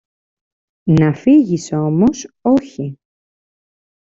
Να φύγεις όμως, όχι!